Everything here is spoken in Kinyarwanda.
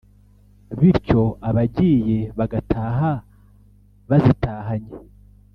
bityo abagiyeyo bagataha bazitahanye